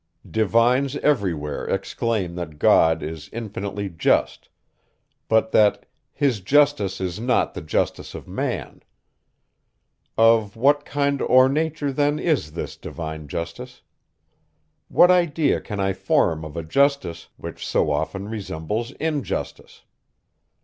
Divines every where exclaim, that God is infinitely just; but that his justice is not the justice of man. Of what kind or nature then is this divine justice? What idea can I form of a justice, which so often resembles injustice?